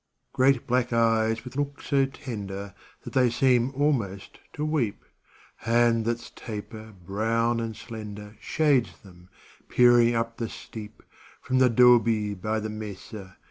Great black eyes with look so tender That they seem almost to weep ; Hand that's taper, brown and slender, Shades them, peering up the steep From the *' dobey, '' by the mesa.